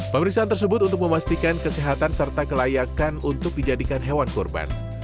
pemeriksaan tersebut untuk memastikan kesehatan serta kelayakan untuk dijadikan hewan kurban